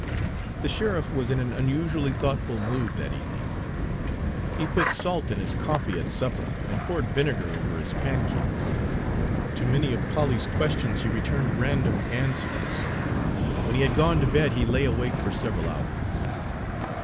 The sheriff was in an unusually thoughtful mood that evening. He put salt in his coffee at supper, and poured vinegar over his pancakes. To many of Polly's questions he returned random answers. When he had gone to bed he lay awake for several hours.